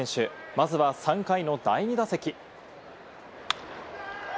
まずは３回の第２打席。